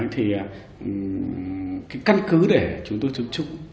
thì cái căn cứ để chúng tôi chứng trúc